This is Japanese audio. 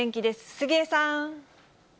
杉江さん。